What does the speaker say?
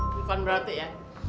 bukan berarti ya